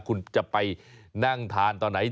คุณจะไปนั่งทานตอนไหน